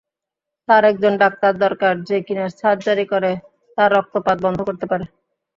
তার একজন ডাক্তার দরকার যে কিনা সার্জারি করে তার রক্তপাত বন্ধ করতে পারে।